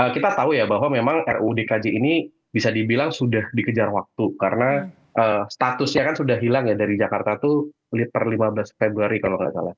kita tahu ya bahwa memang ruudkj ini bisa dibilang sudah dikejar waktu karena statusnya kan sudah hilang ya dari jakarta itu per lima belas februari kalau nggak salah